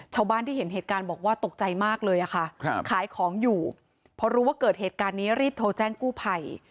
ชาวบ้านที่เห็นเหตุการณ์บอกว่าตกใจมากเลยค่ะขายของอยู่พอรู้ว่าเกิดเหตุการณ์นี้รีบโทรแจ้งกู้ภัย